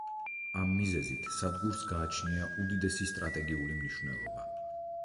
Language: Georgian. ამ მიზეზით სადგურს გააჩნია უდიდესი სტრატეგიული მნიშვნელობა.